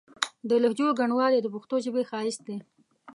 د لهجو ګڼوالی د پښتو ژبې ښايست دی.